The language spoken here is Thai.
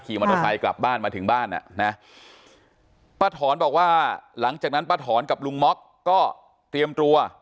มอเตอร์ไซค์กลับบ้านมาถึงบ้านอ่ะนะป้าถอนบอกว่าหลังจากนั้นป้าถอนกับลุงม็อกก็เตรียมตัว